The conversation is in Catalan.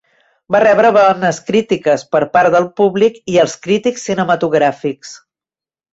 Va rebre bones crítiques per part del públic i els crítics cinematogràfics.